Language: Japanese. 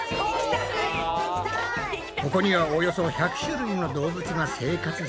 ここにはおよそ１００種類の動物が生活しているそうだ。